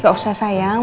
gak usah sayang